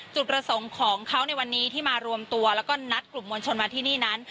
จุดประสงค์ของเขาในวันนี้ที่มารวมตัวแล้วก็นัดกลุ่มมวลชนมาที่นี่นั้น